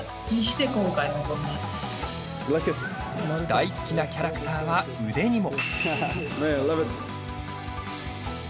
大好きなキャラクターは腕にも。